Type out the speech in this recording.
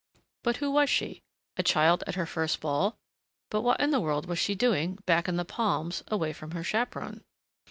But who was she? A child at her first ball? But what in the world was she doing, back in the palms, away from her chaperon?